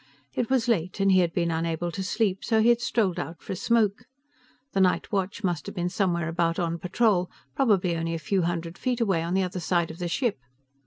It was late, and he had been unable to sleep, so he had strolled out for a smoke. The nightwatch must have been somewhere about on patrol, probably only a few hundred feet away, on the other side of the ship.